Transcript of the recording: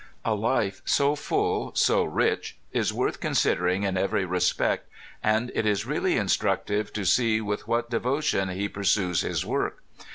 A life so full, so rich, is worth considering in every respect, and it is really instructive to see with what devotion he pursues his work.